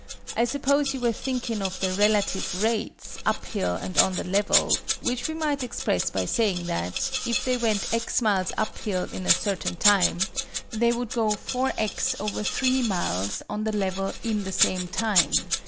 I suppose you were thinking of the relative rates, up hill and on the level; which we might express by saying that, if they went x miles up hill in a certain time, they would go 4_x_/3 miles on the level in the same time.